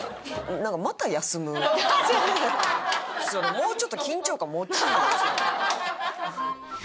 もうちょっと緊張感持ちいや。